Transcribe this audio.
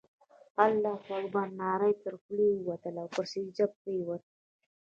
الله اکبر ناره یې تر خولې ووتله او پر سجده پرېوت.